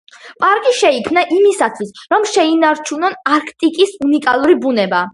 პარკი შეიქმნა იმისათვის, რომ შეინარჩუნონ არქტიკის უნიკალური ბუნება.